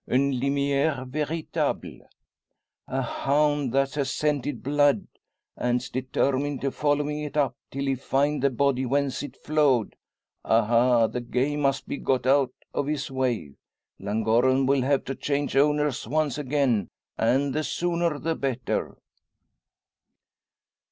"Un limier veritable! A hound that has scented blood, and's determined to follow it up, till he find the body whence it flowed. Aha! The game must be got out of his way. Llangorren will have to change owners once again, and the sooner the better."